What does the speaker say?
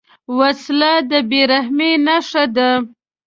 وسله د بېرحمۍ نښه ده